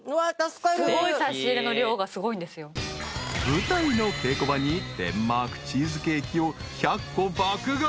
［舞台の稽古場にデンマークチーズケーキを１００個爆買い］